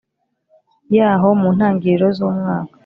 Yaho mu ntangiriro z umwaka